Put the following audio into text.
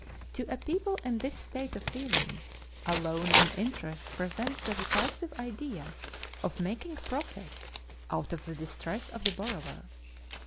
To a people in this state of feeling, a loan on interest presents the repulsive idea of making profit out of the distress of the borrower.